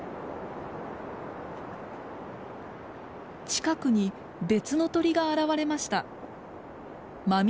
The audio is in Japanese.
近くに別の鳥が現れました。